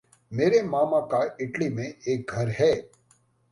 मेरे मामा का इटली में एक घर है।